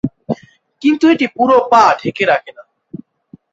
কিন্তু এটি পুরো পা ঢেকে রাখে না।